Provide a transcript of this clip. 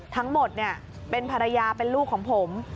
ทั้งหมดเป็นภรรยาเป็นลูกของผม